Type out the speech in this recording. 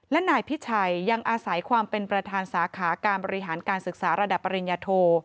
และนายพิชัยยังอาศัยความเป็นประธานสาขาการบริหารการศึกษาระดับปริญญาโท